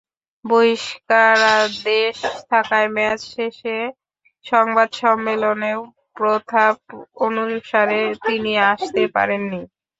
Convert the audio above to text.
বহিষ্কারাদেশ থাকায় ম্যাচ শেষে সংবাদ সম্মেলনেও প্রথা অনুসারে তিনি আসতে পারেননি।